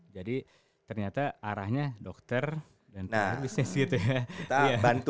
jadi ternyata arahnya dokter dan bisnis gitu ya